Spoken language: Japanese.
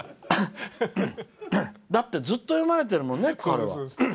だって、ずっと読まれてるもんね。